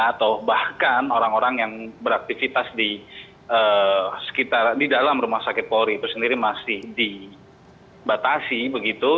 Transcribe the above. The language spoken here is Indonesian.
atau bahkan orang orang yang beraktivitas di dalam rumah sakit polri itu sendiri masih dibatasi begitu